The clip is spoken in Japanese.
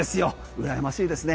うらやましいですね。